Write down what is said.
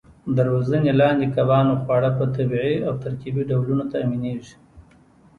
د روزنې لاندې کبانو خواړه په طبیعي او ترکیبي ډولونو تامینېږي.